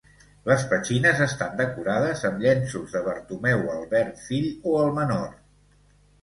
Les petxines estan decorades amb llenços de Bartomeu Albert fill o el menor.